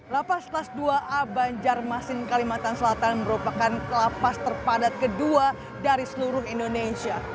lapas kelas dua a banjarmasin kalimantan selatan merupakan lapas terpadat kedua dari seluruh indonesia